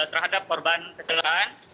terhadap korban kecelakaan